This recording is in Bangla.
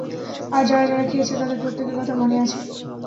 আর যারা যারা খেয়েছে তাদের প্রত্যেকের কথা, মনে আছে।